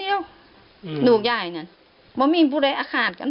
เหนี่ยดูยายแนนเบามิมเบลดยังโตหุ่ง